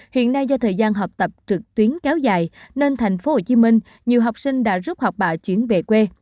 hiện nay do thời gian học tập trực tuyến kéo dài nên thành phố hồ chí minh nhiều học sinh đã rút học bạ chuyển về quê